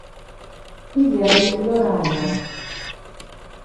Igl ei Loraia.